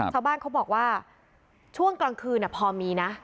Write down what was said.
ทางบ้านเขาบอกว่าช่วงกลางคืนพอมีนะ